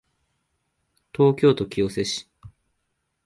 東京都清瀬市